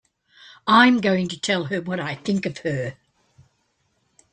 I'm going to tell her what I think of her!